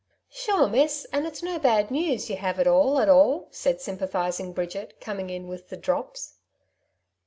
"Sure, miss, and it's no bad news ye have at all at all?" said sympathizing Bridget, coming in with the ^^ drops."